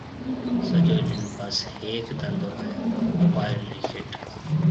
سجو ڏِن بس ھيَََڪ دنڌو ھيََََ موبائل رِي کِٽ